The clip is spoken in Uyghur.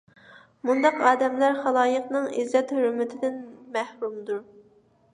مۇنداق ئادەملەر خالايىقنىڭ ئىززەت - ھۆرمىتىدىن مەھرۇمدۇر.